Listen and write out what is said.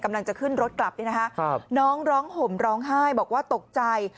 กำลังจะขึ้นรถกลับนี่นะคะน้องร้องห่มร้องไห้บอกว่าตกใจ